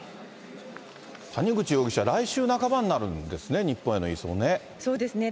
谷口容疑者、来週半ばになるんですね、日本への移送ね。